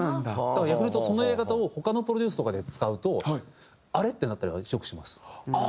だから逆にいうとそのやり方を他のプロデュースとかで使うとあれ？ってなったりはよくします。